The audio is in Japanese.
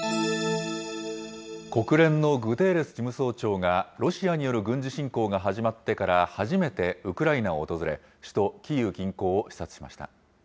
国連のグテーレス事務総長が、ロシアによる軍事侵攻が始まってから初めてウクライナを訪れ、首都キーウ近郊を視察しました。